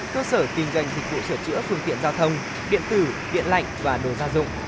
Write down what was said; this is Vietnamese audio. cơ sở kinh doanh dịch vụ sửa chữa phương tiện giao thông điện tử điện lạnh và đồ gia dụng